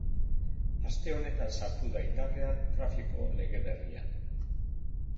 Aste honetan sartu da indarrean trafiko lege berria.